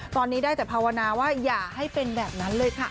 ตอนนี้ได้แต่ภาวนาว่าอย่าให้เป็นแบบนั้นเลยค่ะ